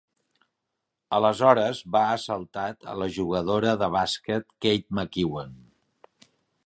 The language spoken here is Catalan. Aleshores va assaltat a la jugadora de bàsquet Kate McEwen.